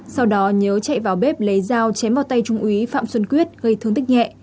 sau đó nhớ chạy vào bếp lấy dao chém vào tay trung úy phạm xuân quyết gây thương tích nhẹ